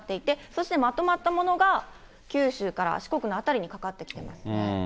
そしてまとまったものが九州から四国の辺りにかかってきています